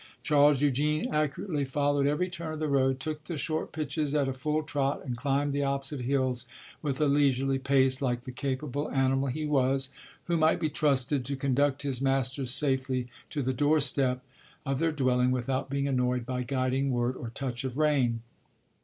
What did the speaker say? Charles Eugene accurately followed every turn of the road, took the short pitches at a full trot and climbed the opposite hills with a leisurely pace, like the capable animal he was, who might be trusted to conduct his masters safely to the door step of their dwelling without being annoyed by guiding word or touch of rein.